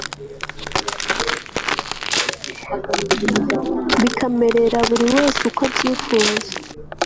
bikamerera buri wese uko abyifuza